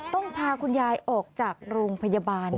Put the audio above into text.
พาคุณยายออกจากโรงพยาบาล